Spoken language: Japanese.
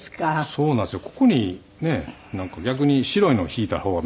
そうなんですよ。